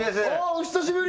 お久しぶり